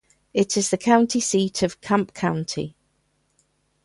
It is the county seat of Camp County.